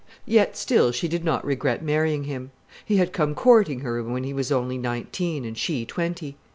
Yet still she did not regret marrying him. He had come courting her when he was only nineteen, and she twenty.